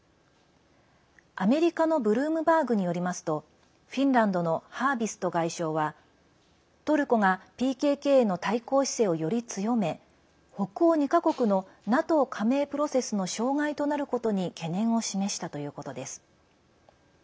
アメリカのブルームバーグによりますとフィンランドのハービスト外相はトルコが、ＰＫＫへの対抗姿勢をより強め北欧２か国のＮＡＴＯ加盟プロセスの障害となることに懸念を示したということです。